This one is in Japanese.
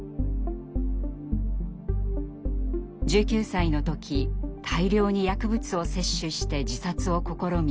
１９歳の時大量に薬物を摂取して自殺を試み